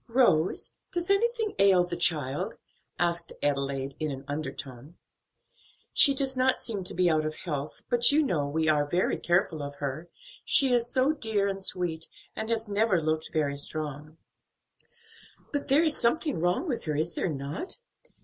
"Rose, does anything ail the child?" asked Adelaide, in an undertone. "She does not seem to be out of health; but you know we are very careful of her; she is so dear and sweet, and has never looked very strong." "But there is something wrong with her, is there not?